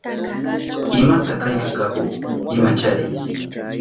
¿Imata kayka kahu? Imachari.